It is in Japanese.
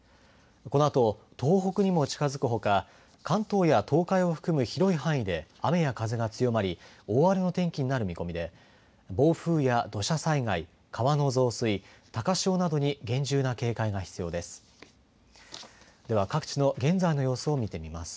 このあと、東北にも近づくほか関東や東海を含む広い範囲で雨や風が強まり大荒れの天気になる見込みで暴風や土砂災害、川の増水高潮などに厳重な警戒が必要です。